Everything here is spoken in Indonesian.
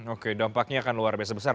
oke dampaknya akan luar biasa besar